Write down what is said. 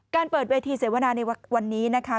เปิดเวทีเสวนาในวันนี้นะคะ